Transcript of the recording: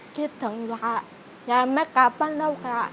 คิดถึงแม่ค่ะอยากให้แม่กลับบ้านเราค่ะ